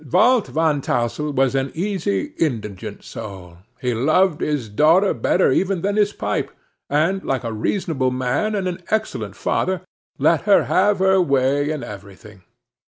Balt Van Tassel was an easy indulgent soul; he loved his daughter better even than his pipe, and, like a reasonable man and an excellent father, let her have her way in everything.